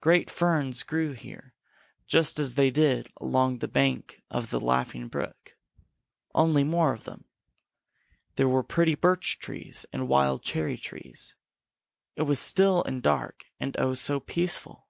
Great ferns grew here just as they did along the bank of the Laughing Brook, only more of them. There were pretty birch trees and wild cherry trees. It was still and dark and oh, so peaceful!